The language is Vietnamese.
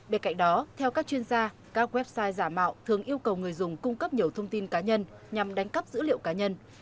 bên cạnh đó theo các chuyên gia các website giả mạo thường yêu cầu người dùng cung cấp nhiều thông tin cá nhân nhằm đánh cắp dữ liệu cá nhân